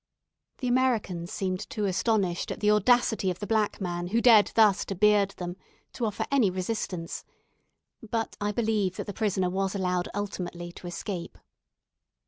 The Americans seemed too astonished at the audacity of the black man, who dared thus to beard them, to offer any resistance; but I believe that the prisoner was allowed ultimately to escape.